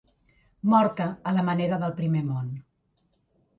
Morta a la manera del primer món.